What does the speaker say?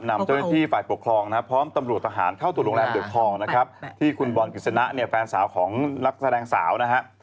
นำเจ้าหน้าที่ฝ่ายปกครองนะครับพร้อมตำรวจทหารเข้าตรวจโรงแรมเดือกทองนะครับที่คุณบอลกฤษณะเนี่ยแฟนสาวของนักแสดงสาวนะฮะ